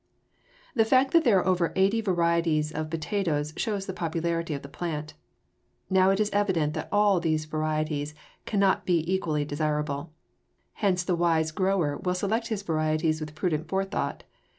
The fact that there are over eighty varieties of potatoes shows the popularity of the plant. Now it is evident that all of these varieties cannot be equally desirable. Hence the wise grower will select his varieties with prudent forethought.